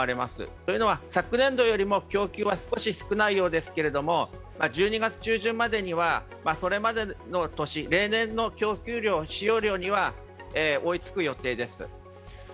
というのは、昨年度よりも供給は少し少ないようですけど１２月中旬までには、例年の供給量使用量には追いつく予定です。